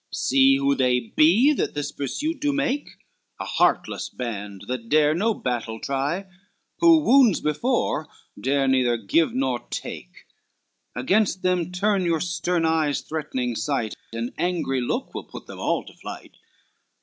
See who they be that this pursuit do make, A heartless band, that dare no battle try, Who wounds before dare neither give nor take, Against them turn your stern eye's threatening sight, An angry look will put them all to flight."